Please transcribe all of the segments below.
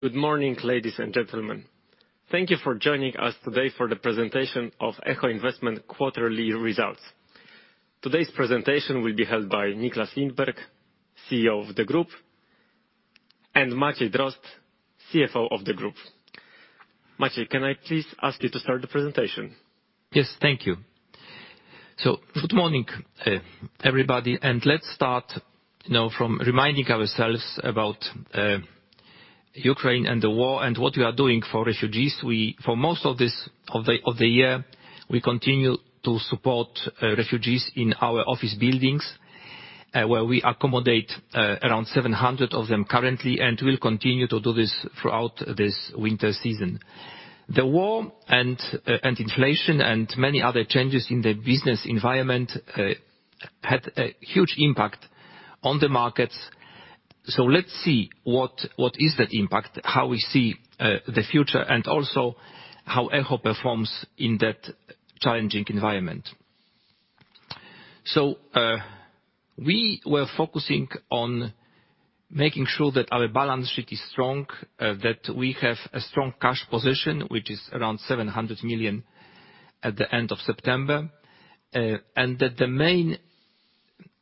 Good morning, ladies and gentlemen. Thank you for joining us today for the presentation of Echo Investment quarterly results. Today's presentation will be held by Nicklas Lindberg, CEO of the group, and Maciej Drozd, CFO of the group. Maciej, can I please ask you to start the presentation? Yes. Thank you. Good morning, everybody, and let's start, you know, from reminding ourselves about Ukraine and the war and what we are doing for refugees. For most of the year, we continue to support refugees in our office buildings, where we accommodate around 700 of them currently, and we'll continue to do this throughout this winter season. The war and inflation and many other changes in the business environment had a huge impact on the markets. Let's see what is that impact, how we see the future, and also how Echo performs in that challenging environment. We were focusing on making sure that our balance sheet is strong, that we have a strong cash position, which is around 700 million at the end of September, and that the main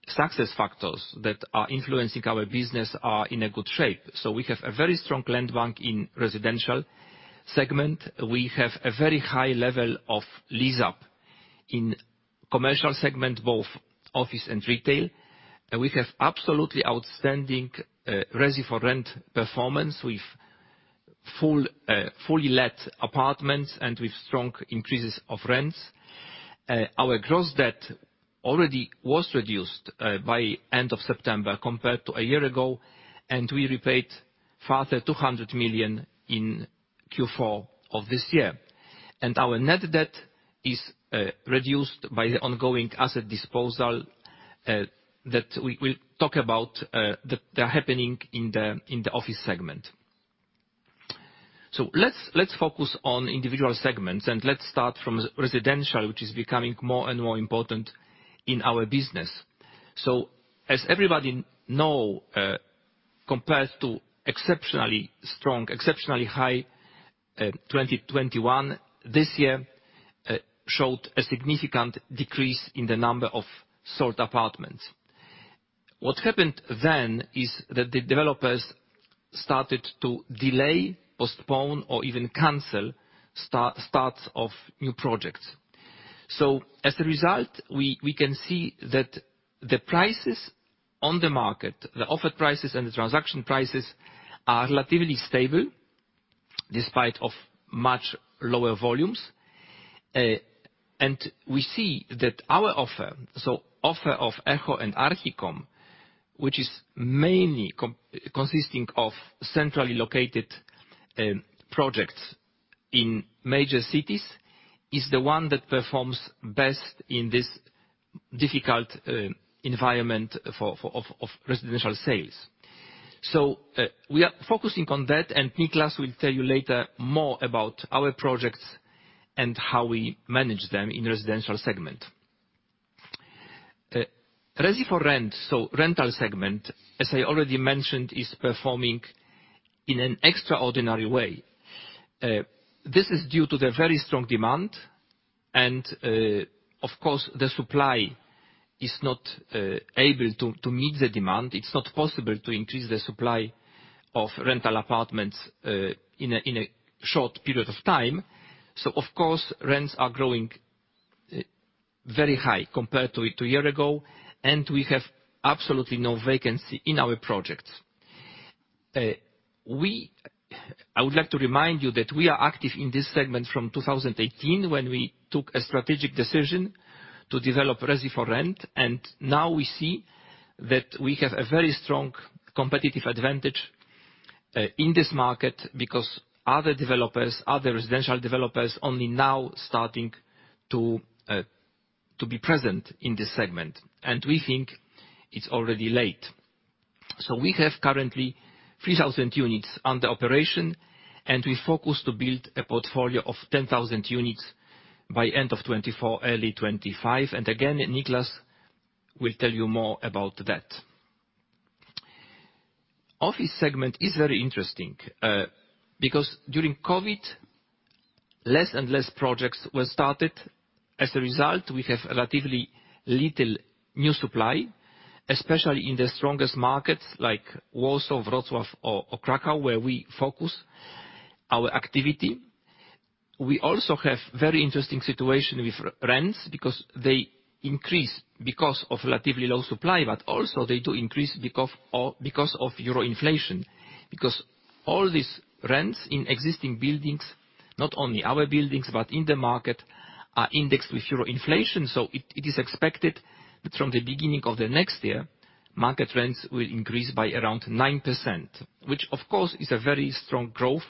success factors that are influencing our business are in a good shape. We have a very strong land bank in residential segment. We have a very high level of lease-up in commercial segment, both office and retail. We have absolutely outstanding Resi4Rent performance with full, fully let apartments and with strong increases of rents. Our gross debt already was reduced by end of September compared to a year ago, and we repaid further 200 million in Q4 of this year. Our net debt is reduced by the ongoing asset disposal that we'll talk about that are happening in the office segment. Let's focus on individual segments and let's start from residential, which is becoming more and more important in our business. As everybody know, compared to exceptionally strong, exceptionally high, 2021, this year showed a significant decrease in the number of sold apartments. What happened then is that the developers started to delay, postpone, or even cancel starts of new projects. As a result, we can see that the prices on the market, the offered prices and the transaction prices are relatively stable despite of much lower volumes. We see that our offer, so offer of Echo and Archicom, which is mainly consisting of centrally located projects in major cities, is the one that performs best in this difficult environment of residential sales. We are focusing on that, and Nicklas will tell you later more about our projects and how we manage them in residential segment. Resi4Rent, so rental segment, as I already mentioned, is performing in an extraordinary way. This is due to the very strong demand and, of course, the supply is not able to meet the demand. It's not possible to increase the supply of rental apartments in a short period of time. Of course, rents are growing very high compared to a year ago, and we have absolutely no vacancy in our projects. I would like to remind you that we are active in this segment from 2018 when we took a strategic decision to develop Resi4Rent, and now we see that we have a very strong competitive advantage in this market because other developers, other residential developers only now starting to be present in this segment, and we think it's already late. We have currently 3,000 units under operation, and we focus to build a portfolio of 10,000 units by end of 2024, early 2025. Again, Nicklas will tell you more about that. Office segment is very interesting because during COVID, less and less projects were started. As a result, we have relatively little new supply, especially in the strongest markets like Warsaw, Wrocław or Kraków, where we focus our activity. We also have very interesting situation with rents because they increase because of relatively low supply, but also they do increase because of because of euro inflation. All these rents in existing buildings, not only our buildings, but in the market, are indexed with euro inflation. It is expected that from the beginning of the next year, market rents will increase by around 9%, which of course is a very strong growth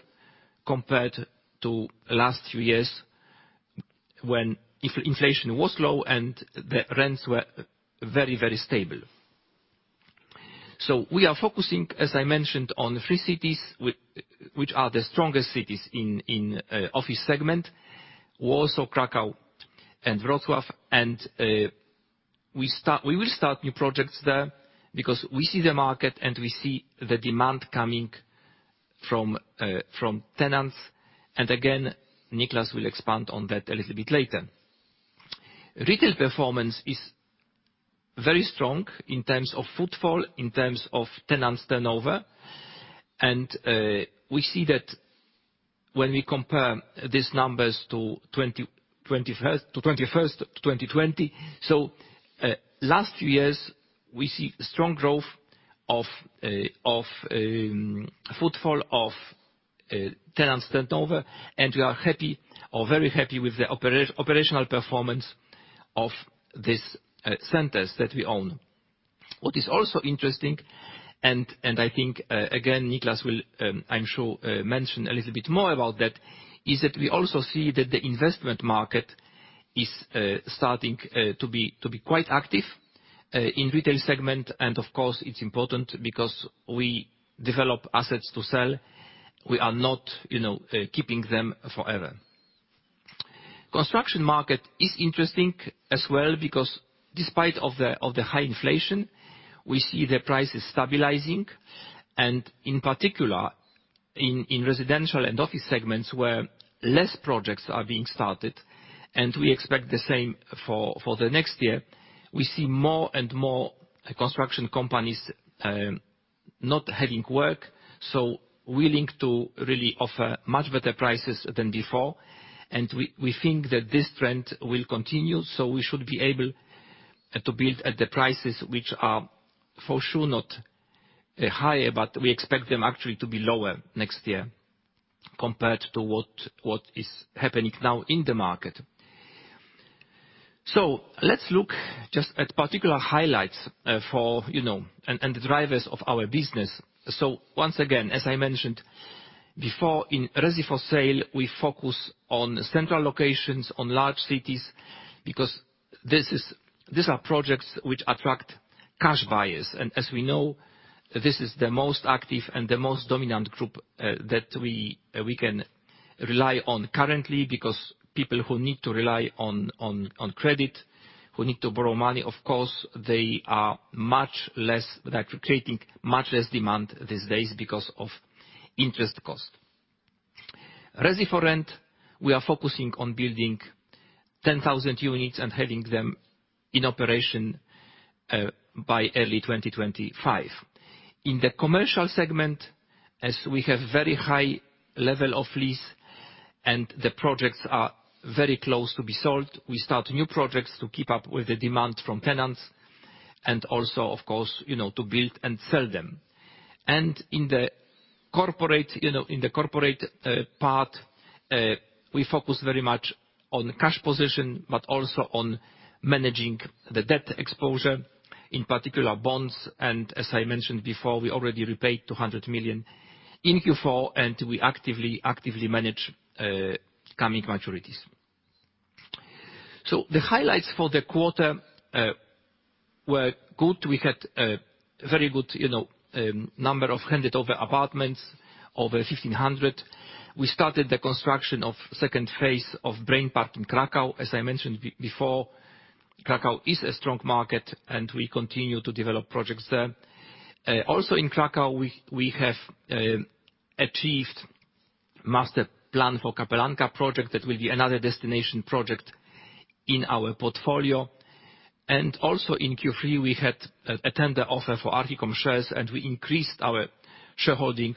compared to last few years when inflation was low and the rents were very, very stable. We are focusing, as I mentioned, on three cities which are the strongest cities in office segment: Warsaw, Kraków, and Wrocław. We will start new projects there because we see the market, and we see the demand coming from from tenants. Again, Nicklas will expand on that a little bit later. Retail performance is very strong in terms of footfall, in terms of tenants turnover. We see that when we compare these numbers to 2021 to 2020. Last years, we see strong growth of footfall of tenants turnover, and we are happy or very happy with the operational performance of these centers that we own. What is also interesting and I think, again, Nicklas will, I'm sure, mention a little bit more about that, is that we also see that the investment market is starting to be quite active in retail segment. Of course, it's important because we develop assets to sell. We are not, you know, keeping them forever. Construction market is interesting as well because despite of the high inflation, we see the prices stabilizing. In particular, in residential and office segments, where less projects are being started, and we expect the same for the next year. We see more and more construction companies not having work, so willing to really offer much better prices than before. We think that this trend will continue, so we should be able to build at the prices which are for sure not higher, but we expect them actually to be lower next year compared to what is happening now in the market. Let's look just at particular highlights for, you know, and the drivers of our business. Once again, as I mentioned before, in Resi for Sale, we focus on central locations, on large cities, because these are projects which attract cash buyers. As we know, this is the most active and the most dominant group that we can rely on currently, because people who need to rely on credit, who need to borrow money, of course, they are much less, like creating much less demand these days because of interest cost. Resi for Rent, we are focusing on building 10,000 units and having them in operation by early 2025. In the commercial segment, as we have very high level of lease, and the projects are very close to be sold, we start new projects to keep up with the demand from tenants and also of course, you know, to build and sell them. In the corporate, you know, part, we focus very much on cash position, but also on managing the debt exposure, in particular bonds. As I mentioned before, we already repaid 200 million in Q4, and we actively manage coming maturities. The highlights for the quarter were good. We had a very good, you know, number of handed over apartments, over 1,500. We started the construction of second phase of Brain Park in Kraków. As I mentioned before, Kraków is a strong market, and we continue to develop projects there. Also in Kraków, we have achieved master plan for Kapelanka project. That will be another destination project in our portfolio. Also in Q3, we had a tender offer for Archicom shares, and we increased our shareholding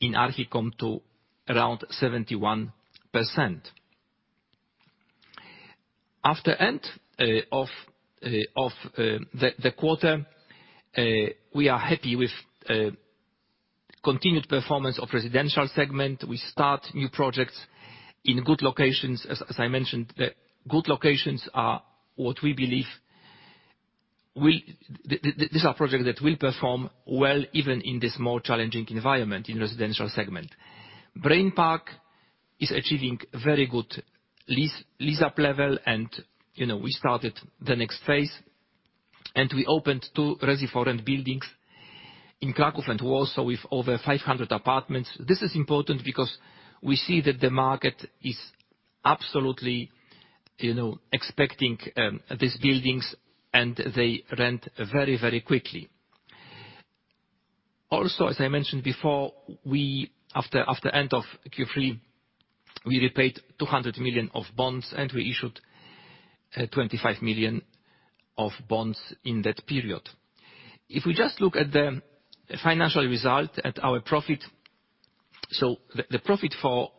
in Archicom to around 71%. After end of the quarter, we are happy with continued performance of residential segment. We start new projects in good locations. As I mentioned, the good locations are what we believe. These are projects that will perform well even in this more challenging environment in residential segment. Brain Park is achieving very good lease-up level and, you know, we started the next phase. We opened two Resi4Rent buildings in Kraków and Warsaw with over 500 apartments. This is important because we see that the market is absolutely, you know, expecting these buildings, and they rent very quickly. Also, as I mentioned before, after end of Q3, we repaid 200 million of bonds, we issued 25 million of bonds in that period. If we just look at the financial result, at our profit. The profit for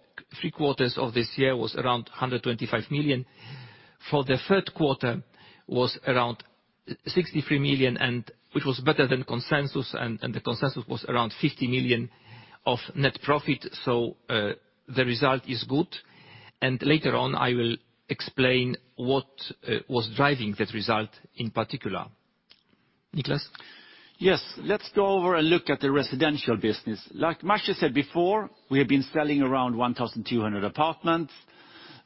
three quarters of this year was around 125 million. For the Q3 was around 63 million, which was better than consensus, and the consensus was around 50 million of net profit. The result is good. Later on, I will explain what was driving that result in particular. Nicklas? Yes. Let's go over and look at the residential business. Like Maciej said before, we have been selling around 1,200 apartments.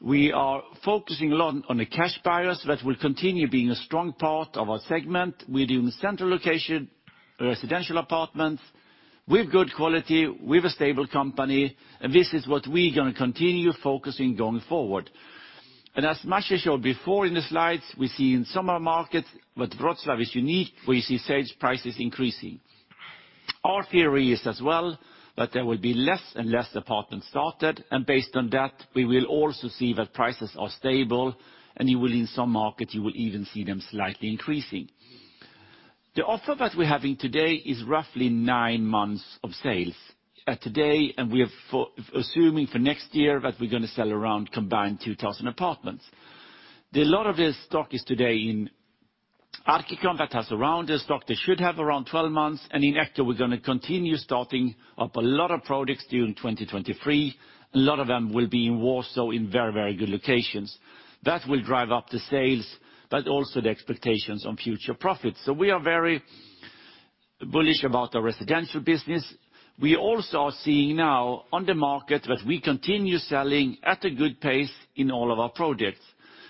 We are focusing a lot on the cash buyers. That will continue being a strong part of our segment. We're doing central location residential apartments with good quality, with a stable company, and this is what we're gonna continue focusing going forward. As Maciej showed before in the slides, we see in some markets, but Wrocław is unique, we see sales prices increasing. Our theory is as well that there will be less and less apartments started, and based on that, we will also see that prices are stable, and you will in some markets, you will even see them slightly increasing. The offer that we're having today is roughly nine months of sales today, and we have for... Assuming for next year, that we're gonna sell around combined 2,000 apartments. A lot of the stock is today in Archicom that has around the stock, they should have around 12 months. In Echo, we're gonna continue starting up a lot of products during 2023. A lot of them will be in Warsaw in very, very good locations. That will drive up the sales, but also the expectations on future profits. We are very bullish about our residential business. We also are seeing now on the market that we continue selling at a good pace in all of our projects,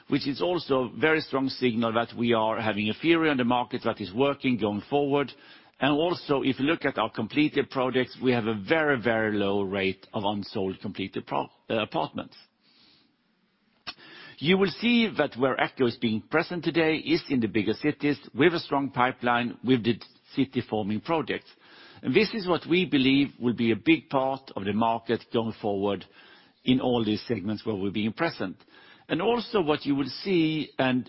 which is also very strong signal that we are having a theory on the market that is working going forward. If you look at our completed projects, we have a very, very low rate of unsold completed apartments. You will see that where Echo is being present today is in the bigger cities. We have a strong pipeline with the city-forming projects. This is what we believe will be a big part of the market going forward in all these segments where we're being present. Also what you will see, and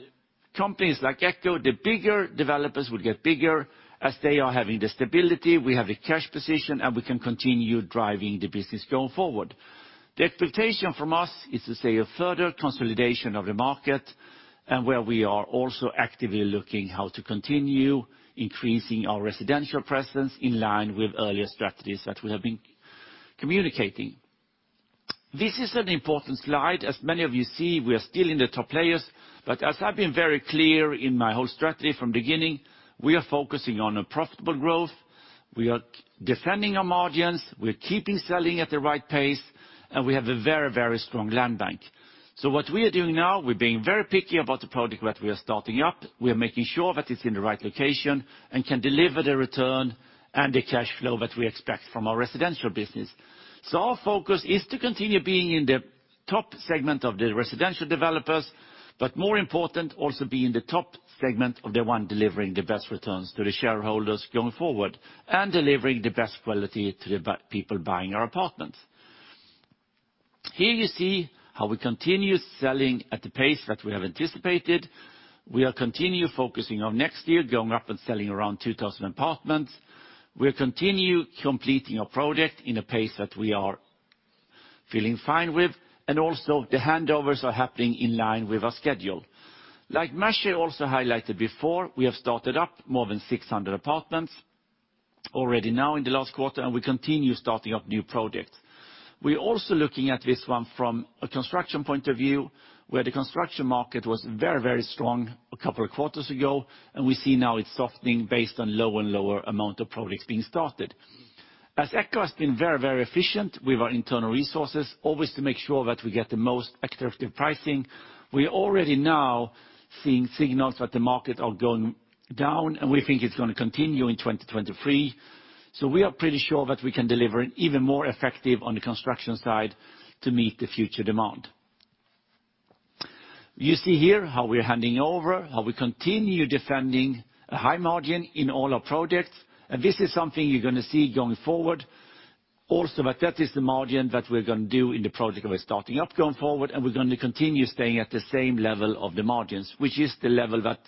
companies like Echo, the bigger developers will get bigger as they are having the stability, we have the cash position, and we can continue driving the business going forward. The expectation from us is to see a further consolidation of the market, and where we are also actively looking how to continue increasing our residential presence in line with earlier strategies that we have been communicating. This is an important slide. As many of you see, we are still in the top layers. As I've been very clear in my whole strategy from beginning, we are focusing on a profitable growth, we are defending our margins, we're keeping selling at the right pace, and we have a very, very strong land bank. What we are doing now, we're being very picky about the product that we are starting up. We are making sure that it's in the right location, and can deliver the return and the cash flow that we expect from our residential business. Our focus is to continue being in the top segment of the residential developers, but more important, also be in the top segment of the one delivering the best returns to the shareholders going forward, and delivering the best quality to the people buying our apartments. Here you see how we continue selling at the pace that we have anticipated. We are continue focusing on next year, going up and selling around 2,000 apartments. We'll continue completing our project in a pace that we are feeling fine with. Also, the handovers are happening in line with our schedule. Like Maciej also highlighted before, we have started up more than 600 apartments already now in the last quarter, and we continue starting up new projects. We're also looking at this one from a construction point of view, where the construction market was very, very strong a couple of quarters ago, and we see now it's softening based on lower and lower amount of projects being started. As Echo has been very, very efficient with our internal resources, always to make sure that we get the most attractive pricing, we are already now seeing signals that the market are going down, and we think it's gonna continue in 2023. We are pretty sure that we can deliver even more effective on the construction side to meet the future demand. You see here how we're handing over, how we continue defending a high margin in all our projects, and this is something you're gonna see going forward. That is the margin that we're gonna do in the project that we're starting up going forward, and we're gonna continue staying at the same level of the margins, which is the level that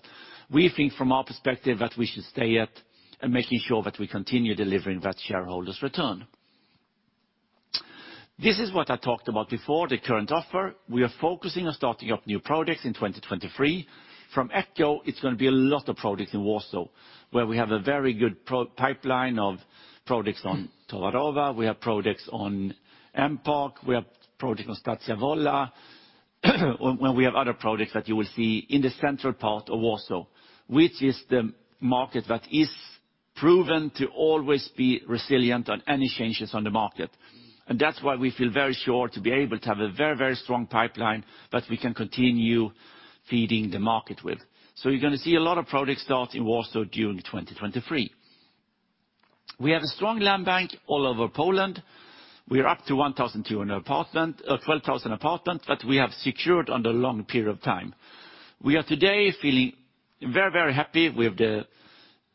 we think from our perspective that we should stay at, and making sure that we continue delivering that shareholders return. This is what I talked about before, the current offer. We are focusing on starting up new projects in 2023. From Echo, it's gonna be a lot of projects in Warsaw, where we have a very good pipeline of projects on Towarowa. We have projects on M-Park. We have project on Stacja Wola. We have other projects that you will see in the central part of Warsaw, which is the market that is proven to always be resilient on any changes on the market. That's why we feel very sure to be able to have a very, very strong pipeline that we can continue feeding the market with. You're gonna see a lot of projects start in Warsaw during 2023. We have a strong land bank all over Poland. We are up to 1,200 apartment, 12,000 apartments that we have secured on the long period of time. We are today feeling very, very happy with the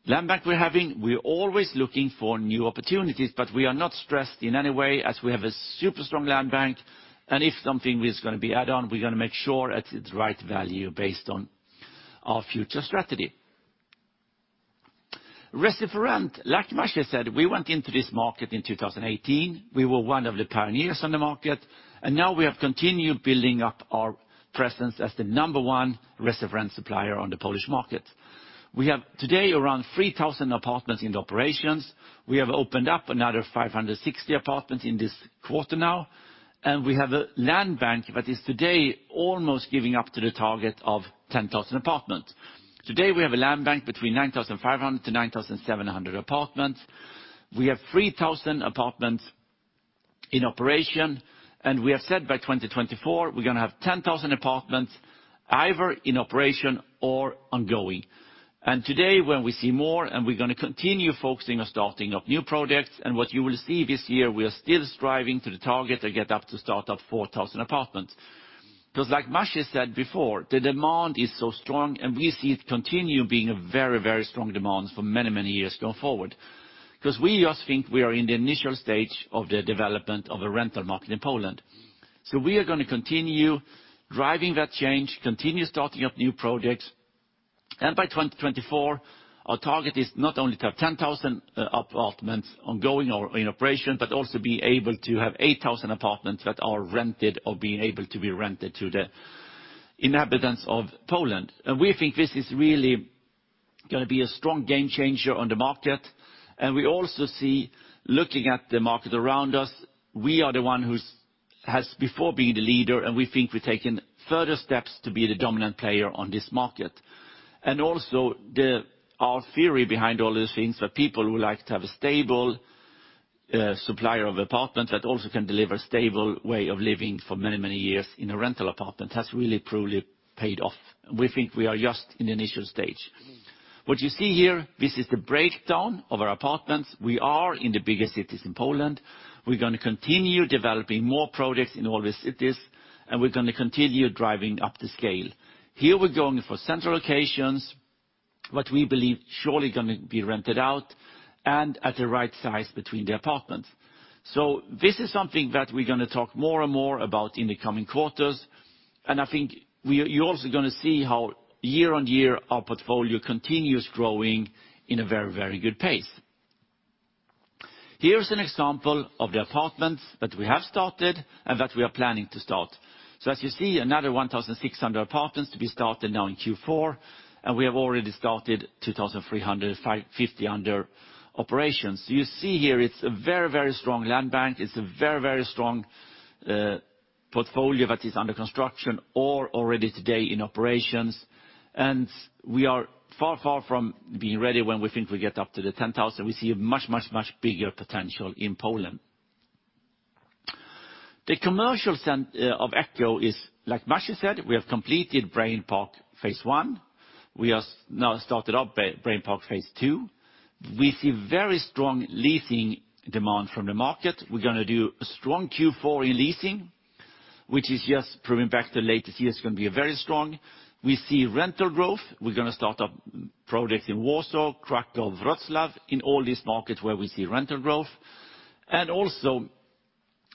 land bank we're having. We're always looking for new opportunities, but we are not stressed in any way as we have a super strong land bank. If something is gonna be add on, we're gonna make sure that it's right value based on our future strategy. Resi4Rent, like Maciej said, we went into this market in 2018. We were one of the pioneers on the market. Now we have continued building up our presence as the number one Resi4Rent supplier on the Polish market. We have today around 3,000 apartments in the operations. We have opened up another 560 apartments in this quarter now. We have a land bank that is today almost giving up to the target of 10,000 apartments. Today, we have a land bank between 9,500-9,700 apartments. We have 3,000 apartments in operation. We have said by 2024, we're gonna have 10,000 apartments either in operation or ongoing. Today, when we see more, and we're gonna continue focusing on starting up new projects. What you will see this year, we are still striving to the target to get up to start up 4,000 apartments. 'Cause like Maciej said before, the demand is so strong, and we see it continue being a very, very strong demand for many, many years going forward. 'Cause we just think we are in the initial stage of the development of a rental market in Poland. We are gonna continue driving that change, continue starting up new projects. By 2024, our target is not only to have 10,000 apartments ongoing or in operation, but also being able to have 8,000 apartments that are rented or being able to be rented to the inhabitants of Poland. We think this is really gonna be a strong game changer on the market. We also see, looking at the market around us, we are the one has before been the leader, and we think we've taken further steps to be the dominant player on this market. Our theory behind all those things are people who like to have a stable supplier of apartments that also can deliver stable way of living for many, many years in a rental apartment has really, truly paid off. We think we are just in the initial stage. What you see here, this is the breakdown of our apartments. We are in the biggest cities in Poland. We're gonna continue developing more products in all these cities, and we're gonna continue driving up the scale. Here, we're going for central locations, what we believe surely gonna be rented out, and at the right size between the apartments. This is something that we're gonna talk more and more about in the coming quarters. I think you're also gonna see how year-on-year our portfolio continues growing in a very, very good pace. Here is an example of the apartments that we have started and that we are planning to start. As you see, another 1,600 apartments to be started now in Q4. We have already started 2,350 under operations. You see here it's a very, very strong land bank. It's a very, very strong portfolio that is under construction or already today in operations. We are far, far from being ready when we think we get up to the 10,000. We see a much, much, much bigger potential in Poland. The commercial of Echo is, like Maciej said, we have completed Brain Park phase one. We have now started up Brain Park phase II. We see very strong leasing demand from the market. We're gonna do a strong Q4 in leasing, which is just proving back the latest year's gonna be very strong. We see rental growth. We're gonna start up projects in Warsaw, Kraków, Wrocław, in all these markets where we see rental growth. Also,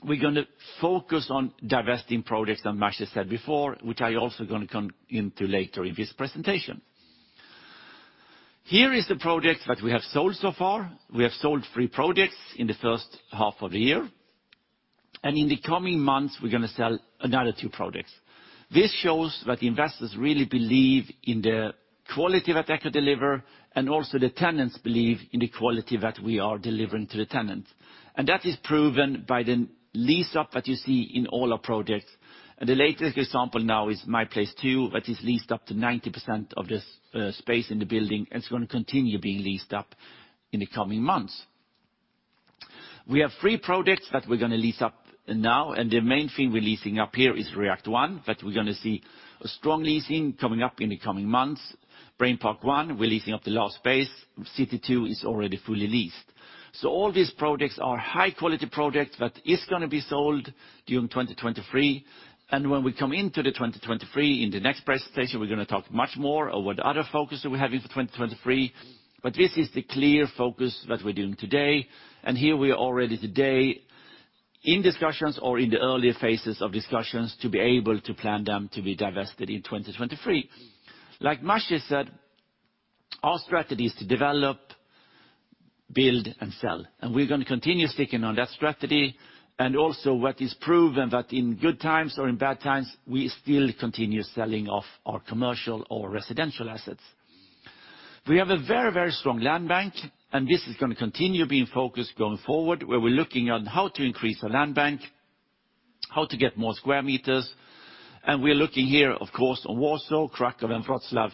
we're gonna focus on divesting projects, as Maciej said before, which I also gonna come into later in this presentation. Here is the projects that we have sold so far. We have sold three projects in the first half of the year. In the coming months, we're gonna sell another two projects. This shows that investors really believe in the quality that Echo deliver, and also the tenants believe in the quality that we are delivering to the tenants. That is proven by the lease-up that you see in all our projects. The latest example now is My Place II, that is leased-up to 90% of the space in the building, and it's gonna continue being leased-up in the coming months. We have three projects that we're gonna lease up now, the main thing we're leasing up here is React 1, that we're gonna see a strong leasing coming up in the coming months. Brain Park 1, we're leasing up the last space. City 2 is already fully leased. All these projects are high-quality projects that is gonna be sold during 2023. When we come into the 2023, in the next presentation, we're gonna talk much more about the other focuses we have in 2023. This is the clear focus that we're doing today. Here we are already today in discussions or in the earlier phases of discussions to be able to plan them to be divested in 2023. Like Maciej said, our strategy is to develop, build, and sell, and we're gonna continue sticking on that strategy. What is proven that in good times or in bad times, we still continue selling off our commercial or residential assets. We have a very, very strong land bank, and this is gonna continue being focused going forward, where we're looking on how to increase the land bank, how to get more square meters. We're looking here, of course, on Warsaw, Kraków, and Wrocław,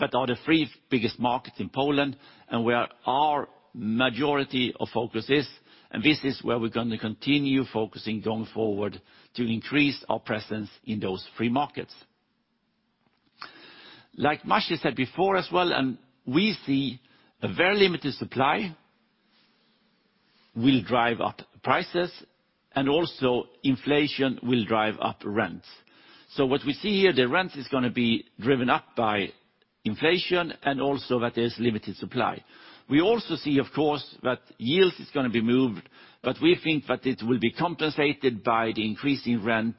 that are the three biggest markets in Poland, and where our majority of focus is. This is where we're gonna continue focusing going forward to increase our presence in those three markets. Like Maciej said before as well, and we see a very limited supply will drive up prices, and also inflation will drive up rents. What we see here, the rent is gonna be driven up by inflation and also that there's limited supply. We also see, of course, that yields is gonna be moved. We think that it will be compensated by the increase in rent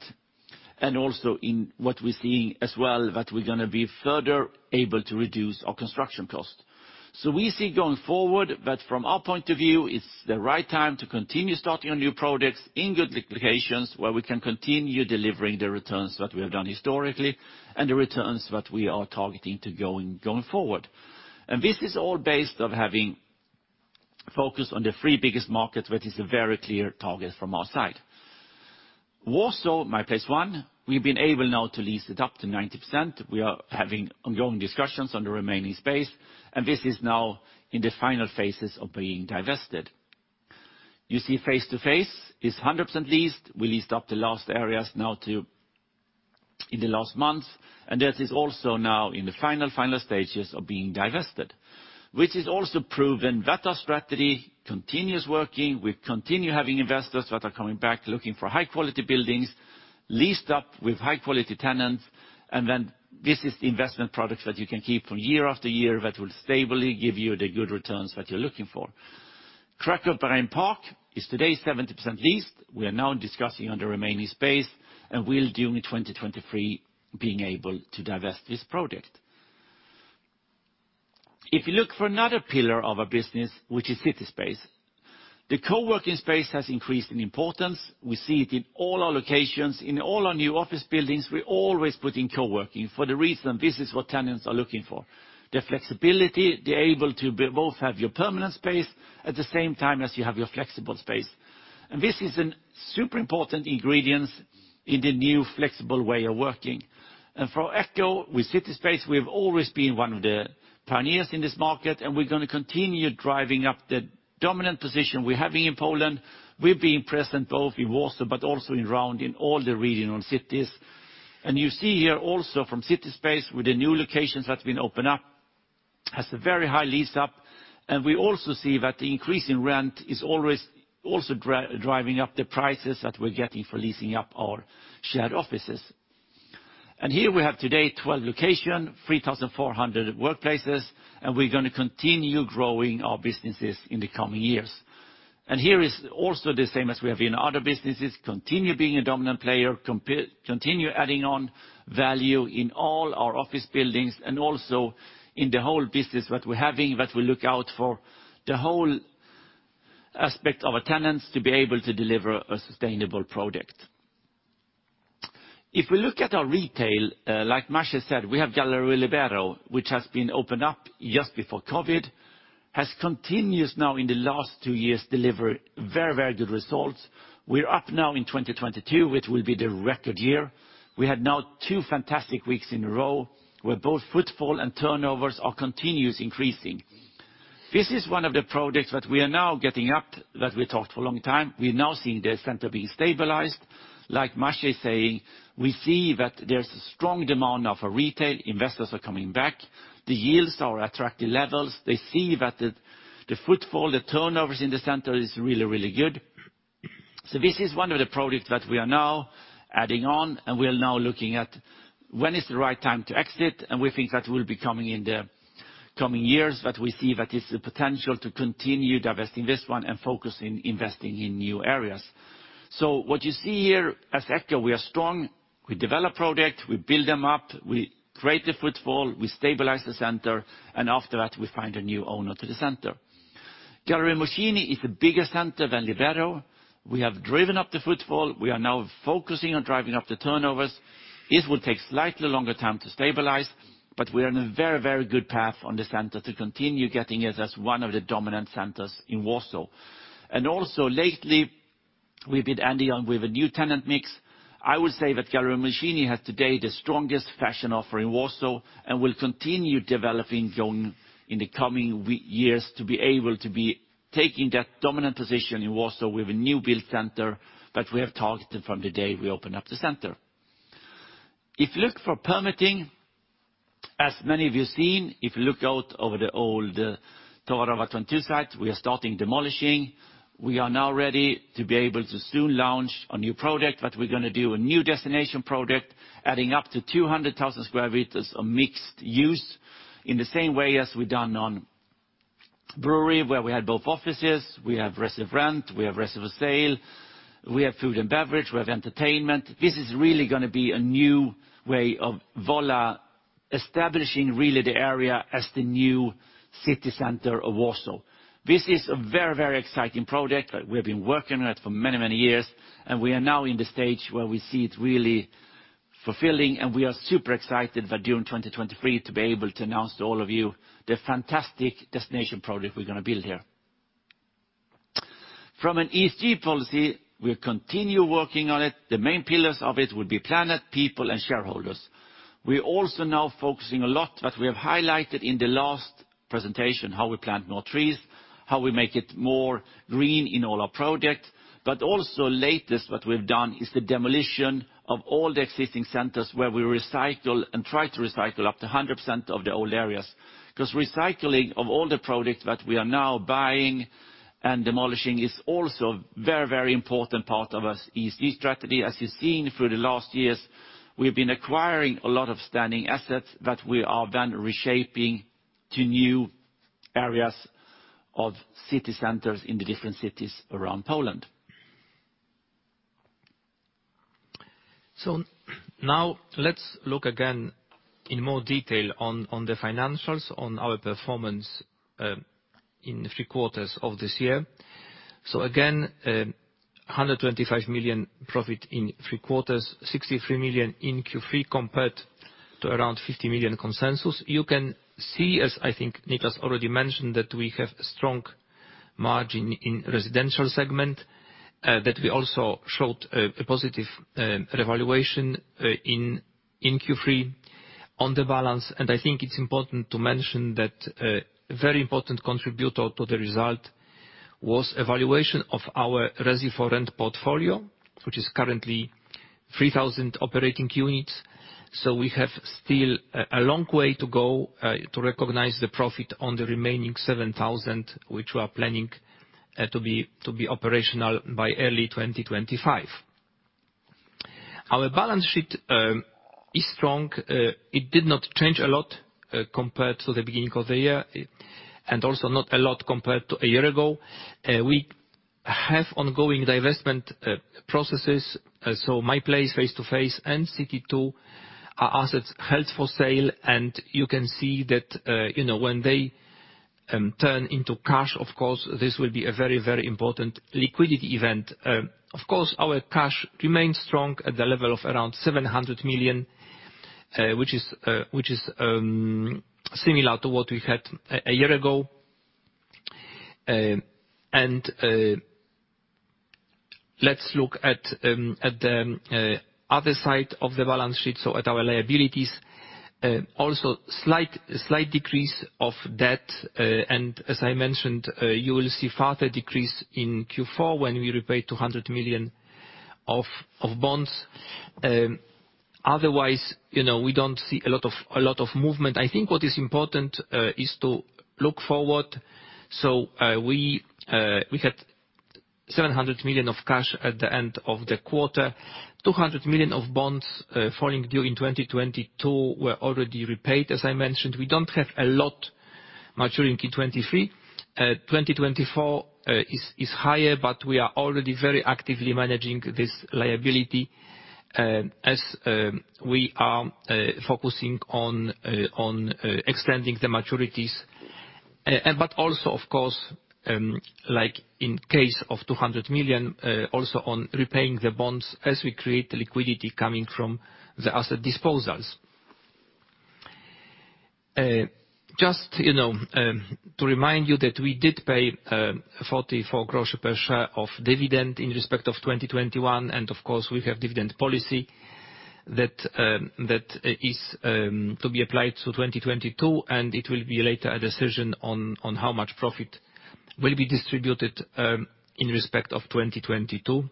and also in what we're seeing as well, that we're gonna be further able to reduce our construction cost. We see going forward that from our point of view, it's the right time to continue starting on new projects in good locations where we can continue delivering the returns that we have done historically and the returns that we are targeting to going forward. This is all based of having focus on the three biggest markets that is a very clear target from our side. Warsaw, My Place I. We've been able now to lease it up to 90%. We are having ongoing discussions on the remaining space. This is now in the final phases of being divested. You see Face2Face is 100% leased. We leased up the last areas now too in the last months. That is also now in the final stages of being divested. Which has also proven that our strategy continues working. We continue having investors that are coming back, looking for high-quality buildings, leased up with high-quality tenants. This is the investment product that you can keep from year after year that will stably give you the good returns that you're looking for. Kraków Brain Park is today 70% leased. We are now discussing on the remaining space, and we're doing in 2023 being able to divest this project. If you look for another pillar of our business, which is CitySpace. The co-working space has increased in importance. We see it in all our locations. In all our new office buildings, we always put in co-working for the reason this is what tenants are looking for. The flexibility, they're able to be both have your permanent space at the same time as you have your flexible space. This is a super important ingredient in the new flexible way of working. For Echo, with CitySpace, we've always been one of the pioneers in this market, and we're gonna continue driving up the dominant position we're having in Poland. We're being present both in Warsaw but also around in all the regional cities. You see here also from CitySpace with the new locations that have been opened up, has a very high lease-up. We also see that the increase in rent is always also driving up the prices that we're getting for leasing up our shared offices. Here we have today 12 location, 3,400 workplaces, and we're gonna continue growing our businesses in the coming years. Here is also the same as we have in other businesses, continue being a dominant player, continue adding on value in all our office buildings and also in the whole business that we're having, that we look out for the whole aspect of our tenants to be able to deliver a sustainable product. If we look at our retail, like Maciej said, we have Galeria Libero, which has been opened up just before COVID, has continuous now in the last two years deliver very, very good results. We're up now in 2022, which will be the record year. We had now two fantastic weeks in a row, where both footfall and turnovers are continuous increasing. This is one of the projects that we are now getting up, that we talked for a long time. We're now seeing the center being stabilized. Like Maciej is saying, we see that there's a strong demand now for retail. Investors are coming back. The yields are attractive levels. They see that the footfall, the turnovers in the center is really good. This is one of the projects that we are now adding on, and we are now looking at when is the right time to exit. We think that will be coming in the coming years, but we see that it's the potential to continue divesting this one and focus in investing in new areas. What you see here, as Echo, we are strong. We develop project, we build them up, we create the footfall, we stabilize the center. After that, we find a new owner to the center. Galeria Mokotów is a bigger center than Libero. We have driven up the footfall. We are now focusing on driving up the turnovers. This will take slightly longer time to stabilize, we're on a very, very good path on the center to continue getting it as one of the dominant centers in Warsaw. Also lately, we've been adding on with a new tenant mix. I would say that Galeria Mokotów has today the strongest fashion offer in Warsaw and will continue developing going in the coming years to be able to be taking that dominant position in Warsaw with a new build center that we have targeted from the day we opened up the center. If you look for permitting, as many of you seen, if you look out over the old Towarowa 22 site, we are starting demolishing. We are now ready to be able to soon launch a new project. We're gonna do a new destination project, adding up to 200,000 square meters of mixed-use in the same way as we've done on Brewery, where we had both offices, we have residential rent, we have residential sale, we have food and beverage, we have entertainment. This is really gonna be a new way of Wola establishing really the area as the new city center of Warsaw. This is a very, very exciting project that we have been working at for many, many years. We are now in the stage where we see it really fulfilling. We are super excited that during 2023 to be able to announce to all of you the fantastic destination project we're gonna build here. From an ESG policy, we'll continue working on it. The main pillars of it will be planet, people, and shareholders. We're also now focusing a lot what we have highlighted in the last presentation, how we plant more trees, how we make it more green in all our projects. Also latest what we've done is the demolition of all the existing centers where we recycle and try to recycle up to 100% of the old areas. Recycling of all the products that we are now buying and demolishing is also very, very important part of our ESG strategy. As you've seen through the last years, we've been acquiring a lot of standing assets that we are then reshaping to new areas of city centers in the different cities around Poland. Now let's look again in more detail on the financials, on our performance in the three quarters of this year. Again, 125 million profit in three quarters, 63 million in Q3 compared to around 50 million consensus. You can see, as I think Nicklas already mentioned, that we have strong margin in residential segment, that we also showed a positive revaluation in Q3 on the balance. I think it's important to mention that a very important contributor to the result was evaluation of our Resi4Rent portfolio, which is currently 3,000 operating units. We have still a long way to go to recognize the profit on the remaining 7,000, which we are planning to be operational by early 2025. Our balance sheet is strong. It did not change a lot compared to the beginning of the year, also not a lot compared to a year ago. We have ongoing divestment processes. My Place, Face2Face, and City 2 are assets held for sale. You can see that, you know, when they turn into cash, of course, this will be a very, very important liquidity event. Of course, our cash remains strong at the level of around 700 million, which is similar to what we had a year ago. Let's look at the other side of the balance sheet, so at our liabilities. Also slight decrease of debt. As I mentioned, you will see further decrease in Q4 when we repay 200 million of bonds. Otherwise, you know, we don't see a lot of movement. I think what is important is to look forward. We had 700 million of cash at the end of the quarter. 200 million of bonds falling due in 2022 were already repaid, as I mentioned. We don't have a lot maturing in 2023. 2024 is higher, but we are already very actively managing this liability, as we are focusing on extending the maturities. Of course, like in case of 200 million, also on repaying the bonds as we create liquidity coming from the asset disposals. You know, to remind you that we did pay 44 groszy per share of dividend in respect of 2021. Of course, we have dividend policy that is to be applied to 2022, and it will be later a decision on how much profit will be distributed in respect of 2022.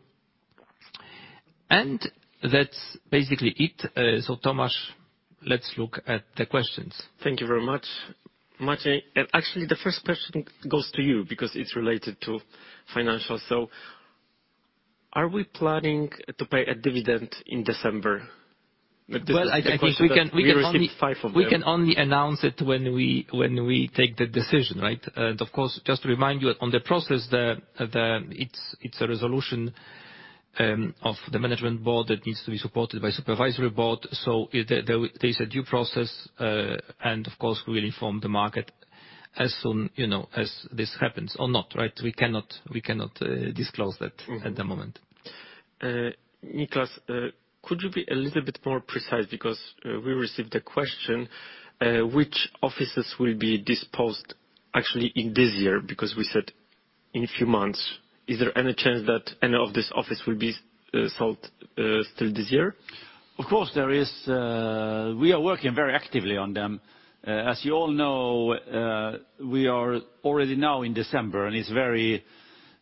That's basically it. Tomasz, let's look at the questions. Thank you very much, Maciej. Actually, the first question goes to you because it's related to financials. Are we planning to pay a dividend in December? Well, I think we can. We received five of them. We can only announce it when we take the decision, right? Of course, just to remind you on the process, it's a resolution of the management board that needs to be supported by supervisory board. There is a due process, and of course, we will inform the market as soon, you know, as this happens or not, right? We cannot disclose that at the moment. Nicklas, could you be a little bit more precise? Because we received a question, which offices will be disposed actually in this year? Because we said in a few months. Is there any chance that any of this office will be sold still this year? Of course, there is. We are working very actively on them. As you all know, we are already now in December, it's very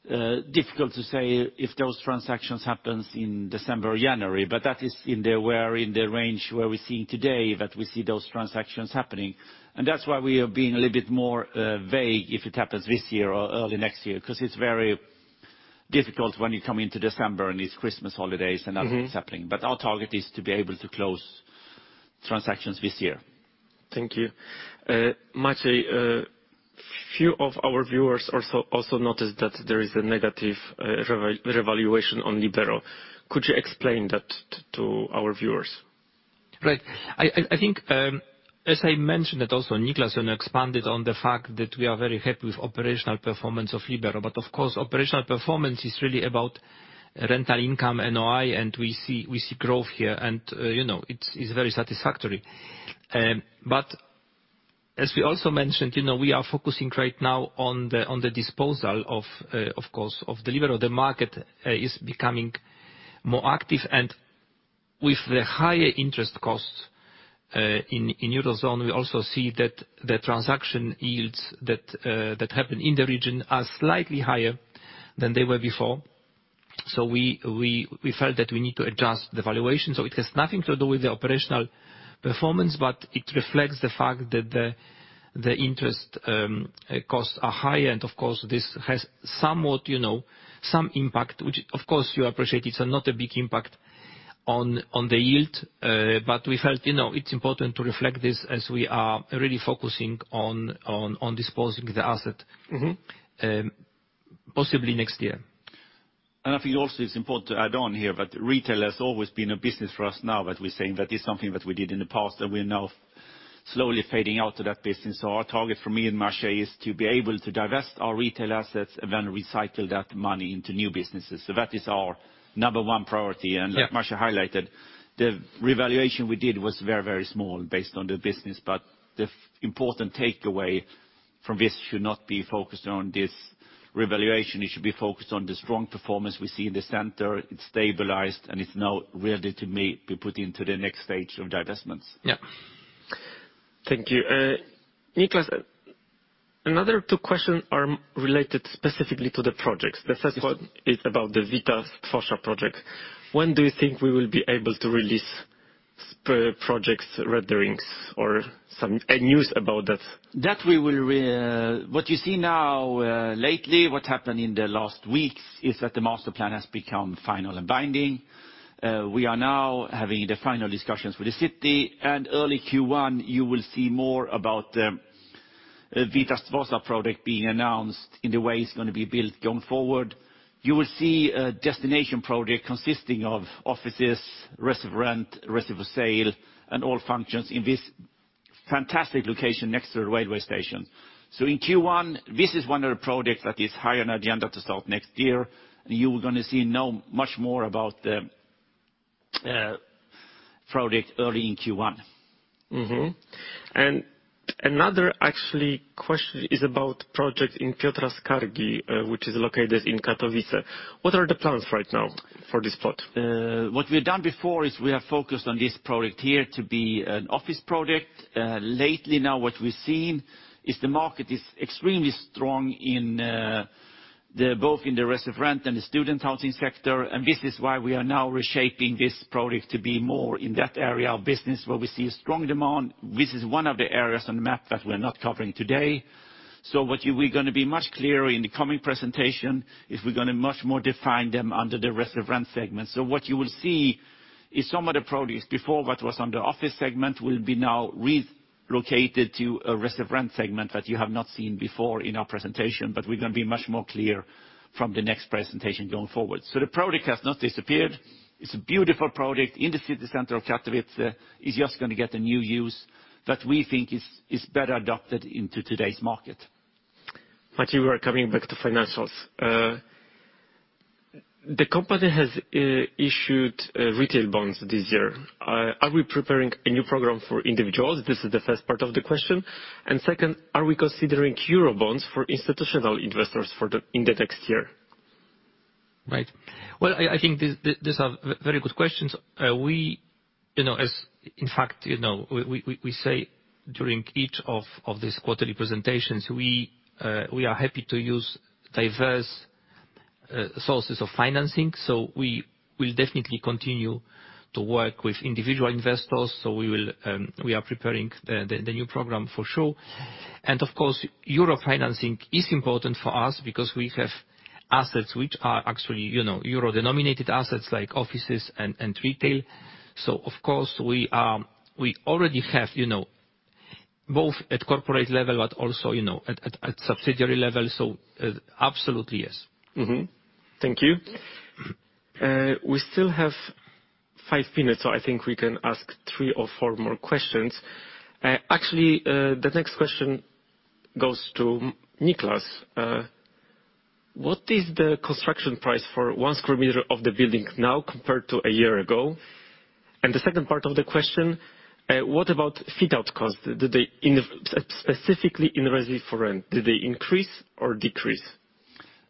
difficult to say if those transactions happens in December or January. That is we're in the range where we're seeing today that we see those transactions happening. That's why we are being a little bit more vague if it happens this year or early next year, 'cause it's very difficult when you come into December, and it's Christmas holidays and nothing's happening. Mm-hmm. Our target is to be able to close transactions this year. Thank you. Maciej, few of our viewers also noticed that there is a negative revaluation on Libero. Could you explain that to our viewers? Right. I think, as I mentioned, and also Nicklas expanded on the fact that we are very happy with operational performance of Libero. Of course, operational performance is really about rental income NOI, and we see growth here and, you know, it's very satisfactory. As we also mentioned, you know, we are focusing right now on the disposal of course, of the Libero. The market is becoming more active. With the higher interest costs in Eurozone, we also see that the transaction yields that happen in the region are slightly higher than they were before. We felt that we need to adjust the valuation. It has nothing to do with the operational performance, but it reflects the fact that the interest costs are high. Of course, this has somewhat, you know, some impact, which of course you appreciate it's not a big impact on the yield. We felt, you know, it's important to reflect this as we are really focusing on disposing the asset. Mm-hmm Possibly next year. I think also it's important to add on here that retail has always been a business for us, now that we're saying that it's something that we did in the past, and we are now slowly fading out to that business. Our target for me and Maciej is to be able to divest our retail assets and then recycle that money into new businesses. That is our number one priority. Yeah. Like Maciej highlighted, the revaluation we did was very small based on the business. The important takeaway from this should not be focused on this revaluation, it should be focused on the strong performance we see in the center. It's stabilized and it's now ready to be put into the next stage of divestments. Yeah. Thank you. Nicklas, another two question are related specifically to the projects. The first one is about the Wita Stwosza project. When do you think we will be able to release projects renderings or A news about that? What you see now, lately, what happened in the last weeks, is that the master plan has become final and binding. We are now having the final discussions with the city. Early Q1 you will see more about the Wita Stwosza project being announced in the way it's gonna be built going forward. You will see a destination project consisting of offices, Resi4Rent, Resi for Sale, and all functions in this fantastic location next to the railway station. In Q1, this is one of the projects that is high on agenda to start next year. You are gonna see now much more about the project early in Q1. Another actually question is about project in Piotra Skargi, which is located in Katowice. What are the plans right now for this plot? What we've done before is we have focused on this project here to be an office project. Lately now what we've seen is the market is extremely strong in both in the Resi4Rent and the student housing sector. This is why we are now reshaping this project to be more in that area of business where we see a strong demand. This is one of the areas on the map that we're not covering today. What we gonna be much clearer in the coming presentation, is we're gonna much more define them under the Resi4Rent segment. What you will see is some of the projects before what was under the office segment will be now relocated to a Resi4Rent segment that you have not seen before in our presentation, but we're gonna be much more clear from the next presentation going forward. The project has not disappeared. It's a beautiful project in the city center of Katowice. It's just gonna get a new use that we think is better adapted into today's market. Maciej, we are coming back to financials. The company has issued retail bonds this year. Are we preparing a new program for individuals? This is the first part of the question. Second, are we considering euro bonds for institutional investors in the next year? Right. Well, I think these are very good questions. We, you know, in fact, you know, we, we say during each of these quarterly presentations, we are happy to use diverse sources of financing. We will definitely continue to work with individual investors. We will, we are preparing the new program for sure. Of course, Euro financing is important for us because we have assets which are actually, you know, euro-denominated assets like offices and retail. Of course, we already have, you know, both at corporate level but also, you know, at subsidiary level. Absolutely yes. Mm-hmm. Thank you. We still have five minutes, so I think we can ask three or four more questions. Actually, the next question goes to Nicklas. What is the construction price for one square meter of the building now compared to a year ago? The second part of the question, what about fit-out costs? Did they specifically in Resi4Rent, did they increase or decrease?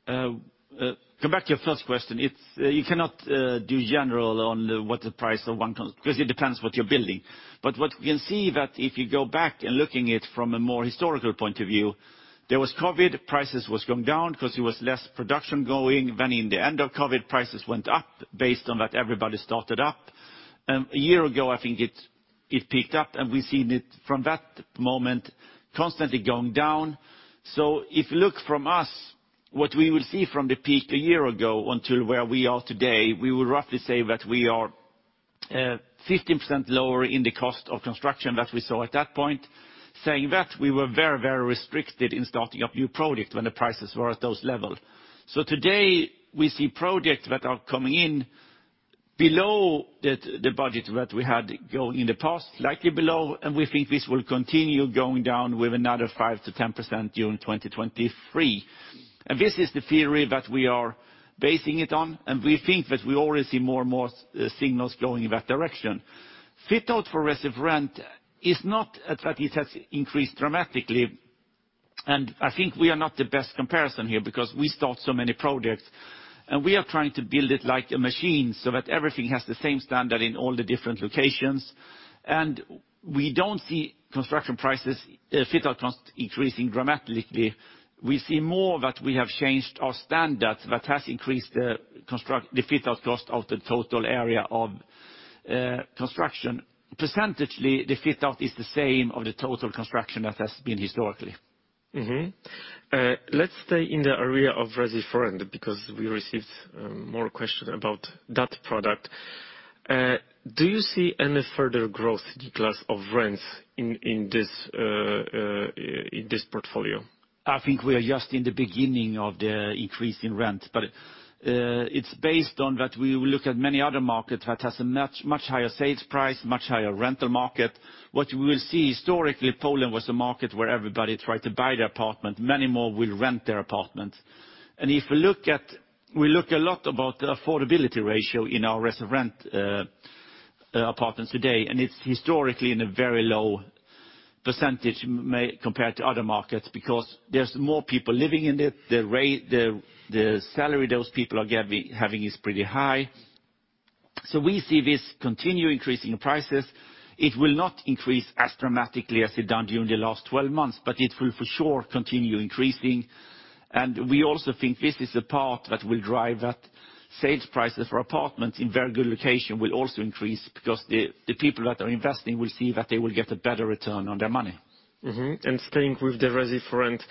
To come back to your first question, it's, you cannot do general on what the price of one cost, because it depends what you're building. What we can see that if you go back and looking it from a more historical point of view, there was COVID, prices was going down 'cause there was less production going. In the end of COVID, prices went up based on that everybody started up. A year ago, I think it picked up, and we've seen it from that moment constantly going down. If you look from us, what we will see from the peak a year ago until where we are today, we will roughly say that we are 15% lower in the cost of construction that we saw at that point. Saying that, we were very, very restricted in starting up new project when the prices were at those level. Today, we see projects that are coming in below the budget that we had go in the past, slightly below, and we think this will continue going down with another 5%-10% during 2023. This is the theory that we are basing it on, and we think that we already see more and more signals going in that direction. Fit-out for Resi4Rent is not that it has increased dramatically, and I think we are not the best comparison here, because we start so many projects and we are trying to build it like a machine, so that everything has the same standard in all the different locations. We don't see construction prices, fit-out cost increasing dramatically. We see more that we have changed our standards that has increased the fit-out cost of the total area of construction. Percentagely, the fit-out is the same of the total construction that has been historically. Let's stay in the area of Resi for rent because we received more question about that product. Do you see any further growth Nicklas of rents in this portfolio? I think we are just in the beginning of the increase in rent. It's based on that we will look at many other markets that has a much higher sales price, much higher rental market. What we will see historically, Poland was a market where everybody tried to buy their apartment. Many more will rent their apartment. We look a lot about the affordability ratio in our Resi4Rent apartments today, and it's historically in a very low % compared to other markets, because there's more people living in it. The salary those people are having is pretty high. We see this continue increasing prices. It will not increase as dramatically as it done during the last 12 months, but it will for sure continue increasing. We also think this is the part that will drive that sales prices for apartments in very good location will also increase, because the people that are investing will see that they will get a better return on their money. Mm-hmm. Staying with the Resi4Rent,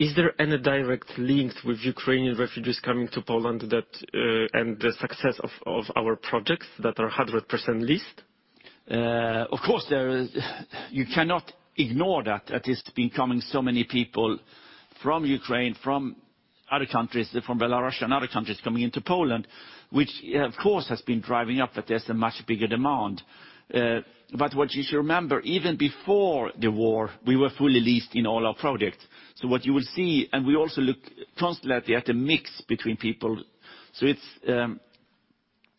is there any direct link with Ukrainian refugees coming to Poland that and the success of our projects that are 100% leased? Of course there is. You cannot ignore that it's been coming so many people from Ukraine, from other countries, from Belarus and other countries coming into Poland, which, of course, has been driving up, that there's a much bigger demand. What you should remember, even before the war, we were fully leased in all our projects. What you will see, and we also look constantly at the mix between people. It's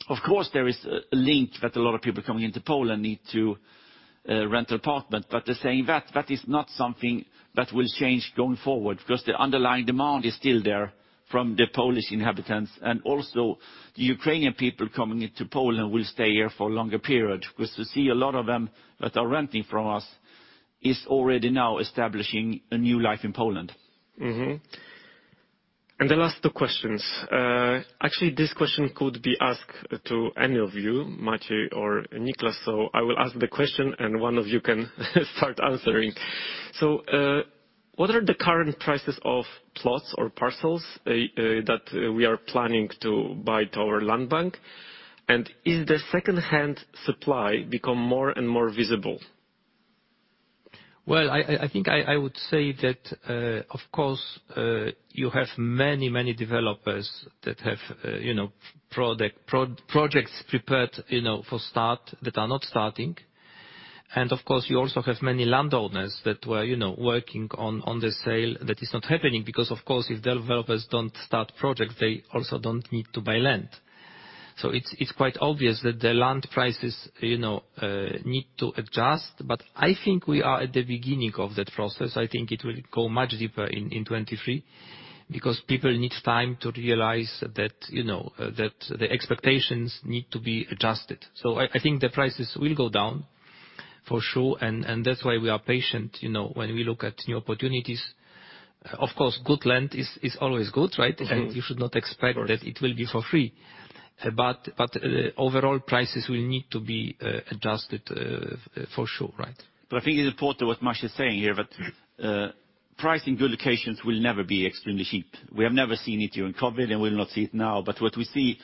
Of course, there is a link that a lot of people coming into Poland need to rent apartment. The same, that is not something that will change going forward, because the underlying demand is still there from the Polish inhabitants. Also the Ukrainian people coming into Poland will stay here for a longer period, because we see a lot of them that are renting from us is already now establishing a new life in Poland. The last two questions. Actually, this question could be asked to any of you, Maciej or Nicklas. I will ask the question, and one of you can start answering. What are the current prices of plots or parcels that we are planning to buy to our land bank? Is the second-hand supply become more and more visible? Well, I think I would say that, of course, you have many developers that have, you know, projects prepared, you know, for start that are not starting. Of course, you also have many landowners that were, you know, working on the sale that is not happening because of course, if developers don't start projects, they also don't need to buy land. It's quite obvious that the land prices, you know, need to adjust. I think we are at the beginning of that process. I think it will go much deeper in 2023, because people need time to realize that, you know, that the expectations need to be adjusted. I think the prices will go down for sure, and that's why we are patient, you know, when we look at new opportunities. Of course, good land is always good, right? Mm-hmm. You should not expect- Of course. That it will be for free. overall prices will need to be adjusted for sure, right? I think it's important what Maciej is saying here, that price in good locations will never be extremely cheap. We have never seen it during COVID, we'll not see it now. What we see,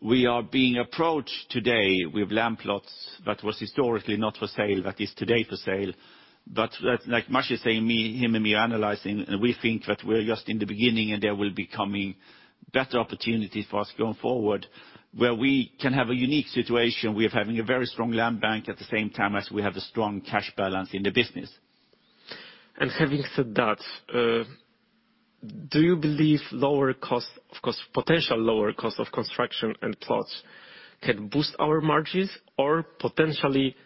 we are being approached today with land plots that was historically not for sale, that is today for sale. Like Maciej is saying, me, him and me analyzing, we think that we're just in the beginning and there will be coming better opportunities for us going forward, where we can have a unique situation. We're having a very strong land bank at the same time as we have a strong cash balance in the business. Having said that, do you believe lower cost, of course, potential lower cost of construction and plots can boost our margins or potentially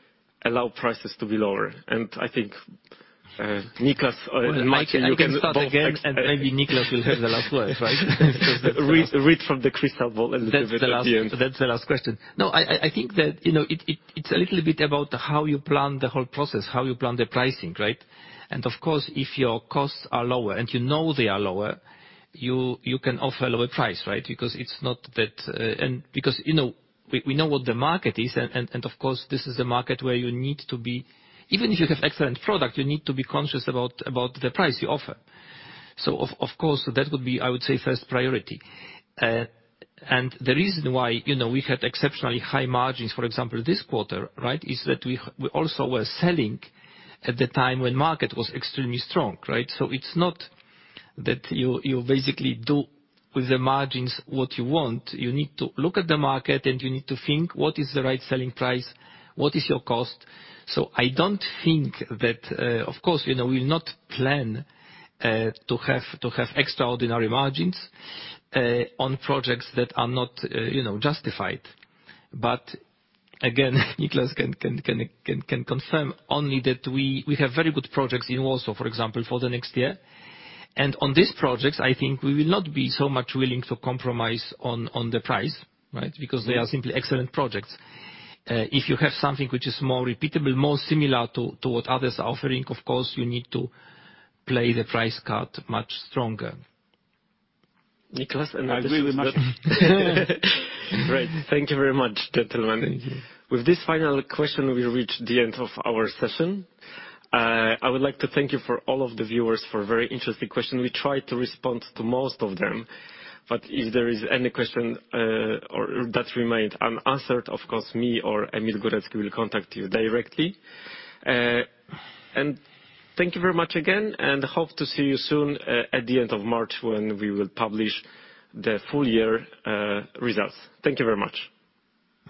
allow prices to be lower? I think, Nicklas or Maciej, you can both. Well, Maciej, I can start again, and maybe Nicklas will have the last words, right? Read from the crystal ball a little bit at the end. That's the last question. No, I think that, you know, it's a little bit about how you plan the whole process, how you plan the pricing, right? Of course, if your costs are lower and you know they are lower, you can offer a lower price, right? Because it's not that. Because, you know, we know what the market is, and of course, this is a market where you need to be. Even if you have excellent product, you need to be conscious about the price you offer. Of course, that would be, I would say first priority. The reason why, you know, we had exceptionally high margins, for example, this quarter, right? Is that we also were selling at the time when market was extremely strong, right? It's not that you basically do with the margins what you want. You need to look at the market and you need to think what is the right selling price, what is your cost. I don't think that. Of course, you know, we'll not plan to have extraordinary margins on projects that are not, you know, justified. Again, Nicklas can confirm only that we have very good projects in Warsaw, for example, for the next year. On these projects, I think we will not be so much willing to compromise on the price, right? Because they are simply excellent projects. If you have something which is more repeatable, more similar to what others are offering, of course, you need to play the price card much stronger. Nicklas, and. I agree with Maciej. Great. Thank you very much, gentlemen. With this final question, we reach the end of our session. I would like to thank you for all of the viewers for very interesting question. We tried to respond to most of them. If there is any question, or that remained unanswered, of course, me or Emil Górecki will contact you directly. Thank you very much again, and hope to see you soon, at the end of March when we will publish the full year results. Thank you very much.